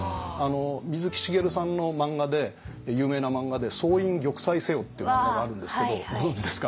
水木しげるさんの漫画で有名な漫画で「総員玉砕せよ」って漫画があるんですけどご存じですか？